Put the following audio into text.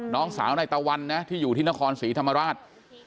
น้องสาวในตะวันนะที่อยู่ที่นครศรีธรรมราช